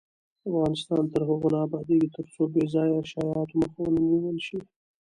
افغانستان تر هغو نه ابادیږي، ترڅو بې ځایه شایعاتو مخه ونیول نشي.